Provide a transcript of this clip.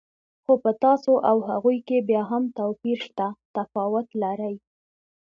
خو په تاسو او هغوی کې بیا هم توپیر شته، تفاوت لرئ.